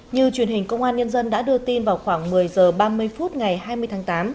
như truyền hình công an nhân dân đã đưa tin vào khoảng một mươi h ba mươi phút ngày hai mươi tháng tám